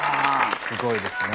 すごいですね。